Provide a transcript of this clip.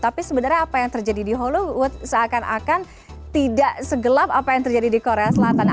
tapi sebenarnya apa yang terjadi di hollywood seakan akan tidak segelap apa yang terjadi di korea selatan